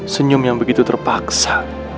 senyum yang begitu terpaksa